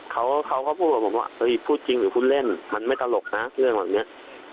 เขาก็พูดมาว่าพูดจริงไม่คุ้นเล่นมันไม่ตลกนะเรื่องแบบนี้